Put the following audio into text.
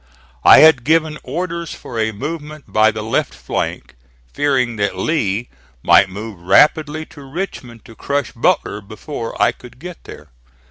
I had given orders for a movement by the left flank, fearing that Lee might move rapidly to Richmond to crush Butler before I could get there.